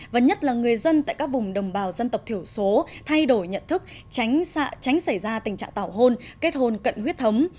và nhất là người dân tại các vùng đồng bào dân tộc thiểu số thay đổi nhận thức tránh xảy ra tình trạng tảo hôn kết hôn cận huyết thống